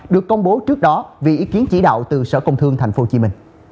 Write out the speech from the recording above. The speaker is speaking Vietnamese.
được công bố trước đó vì ý kiến chỉ đạo từ sở công thương tp hcm